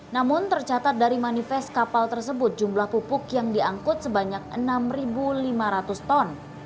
namun tercatat dari manifest kapal tersebut jumlah pupuk yang diangkut sebanyak enam lima ratus ton